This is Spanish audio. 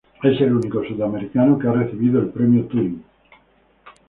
Es el único sudamericano que ha recibido el Premio Turing.